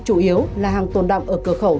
chủ yếu là hàng tồn đọng ở cửa khẩu